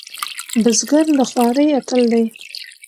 بزګر د خوارۍ اتل دی